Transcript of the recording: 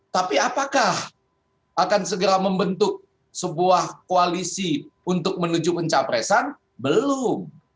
tapi apakah akan segera membentuk sebuah koalisi untuk menuju pencapresan belum